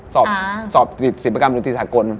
สอบติดศิพประการอนุติศาสตร์กร